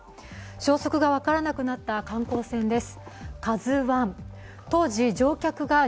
消息が分からなくなった観光船です。